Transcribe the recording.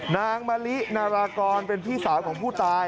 นางมะลินารากรเป็นพี่สาวของผู้ตาย